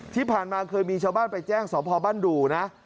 ที่ผ่านมาเคยมีชาวบ้านไปแจ้งสพบ้านดู่นะ